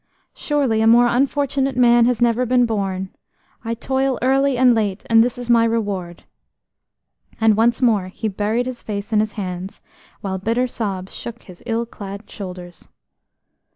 Surely a more unfortunate man has never been born–I toil early and late, and this is my reward." And once more he buried his face in his hands, while bitter sobs shook his ill clad shoulders.